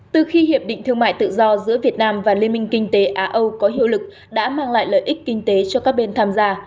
từ khi hiệp định thương mại tự do giữa việt nam và liên minh kinh tế á âu có hiệu lực đã mang lại lợi ích kinh tế cho các bên tham gia